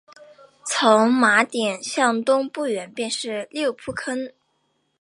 从马甸向东不远便是六铺炕。